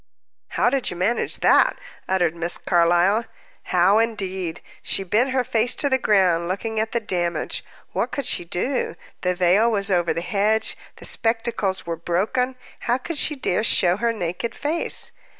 "How did you manage that?" uttered Miss Carlyle. How, indeed? She bent her face on the ground, looking at the damage. What should she do? The veil was over the hedge, the spectacles were broken how could she dare show her naked face?